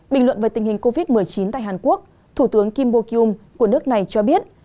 bình luận về tình hình covid một mươi chín tại hàn quốc thủ tướng kim bo kyum của nước này cho biết